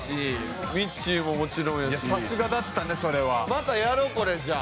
またやろうこれじゃあ。